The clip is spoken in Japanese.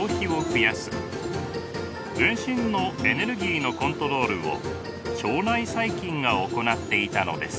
全身のエネルギーのコントロールを腸内細菌が行っていたのです。